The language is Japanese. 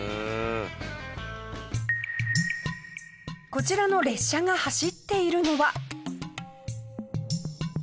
こちらの列車が走っているのは。